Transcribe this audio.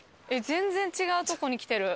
全然違うとこに来てる。